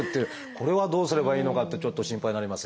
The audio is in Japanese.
これはどうすればいいのかってちょっと心配になりますが。